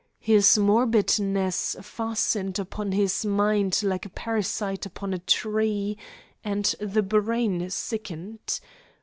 His morbidness fastened upon his mind like a parasite upon a tree, and the brain sickened.